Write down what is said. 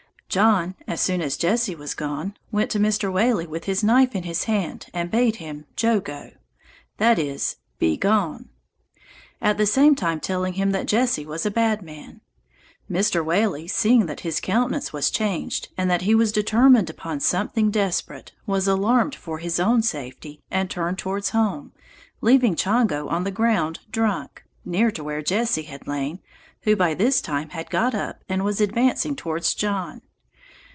John, as soon as Jesse was gone, went to Mr. Whaley with his knife in his hand and bade him jogo (i. e. be gone,) at the same time telling him that Jesse was a bad man. Mr. Whaley, seeing that his countenance was changed, and that he was determined upon something desperate, was alarmed for his own safety, and turned towards home, leaving Chongo on the ground drunk, near to where Jesse had lain, who by this time had got up, and was advancing towards John.